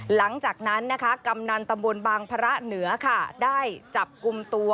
หลังจากนั้นนะคะกำนันตำบลบางพระเหนือค่ะได้จับกลุ่มตัว